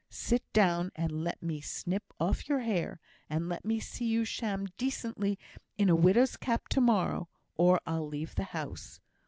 Sit down and let me snip off your hair, and let me see you sham decently in a widow's cap to morrow, or I'll leave the house.